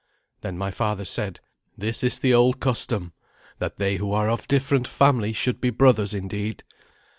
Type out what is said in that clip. Then my father said, "This is the old custom, that they who are of different family should be brothers indeed.